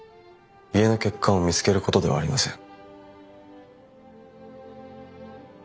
家の欠陥を見つけることではありません。